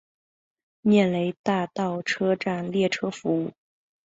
涅雷大道车站列车服务。